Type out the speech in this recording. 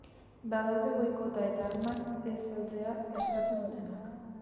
Badaude boikota eta armak ez saltzea eskatzen dutenak.